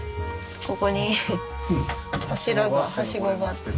ここにはしごがあって。